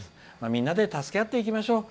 みんなで助け合っていきましょう。